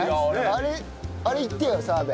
あれあれいってよ澤部。